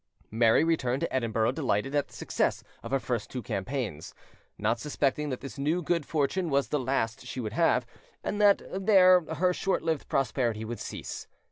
Mary returned to Edinburgh delighted at the success of her two first campaigns, not suspecting that this new good fortune was the last she would have, and that there her short lived prosperity would cease.